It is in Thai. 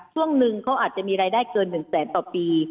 ช่วงหนึ่งเขาอาจจะมีรายได้เกิน๑แสนต่อปี